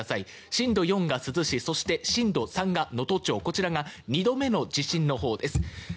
震度４が珠洲市そして震度３が能登町こちらが２度目の地震のほうです。